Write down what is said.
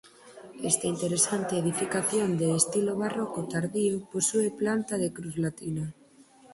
Esta interesante edificación de estilo barroco tardío posúe planta de cruz latina.